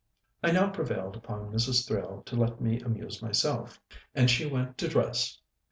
I now prevailed upon Mrs. Thrale to let me amuse myself, and she went to dress.